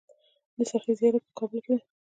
د سخي زیارت په کابل کې دی